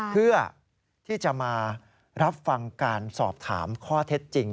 เพื่อที่จะมารับฟังการสอบถามข้อเท็จจริง